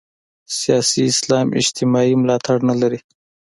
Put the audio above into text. سیاسي اسلام اجتماعي ملاتړ نه لري.